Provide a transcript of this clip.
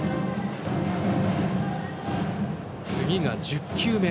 次が１０球目。